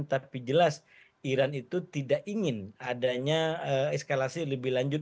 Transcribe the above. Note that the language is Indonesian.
tapi jelas iran itu tidak ingin adanya eskalasi lebih lanjut